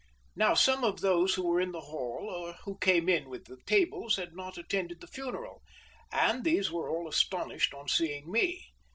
Now some of those who were in the hall or who came in with the tables had not attended the funeral, and these were all astonished on seeing me.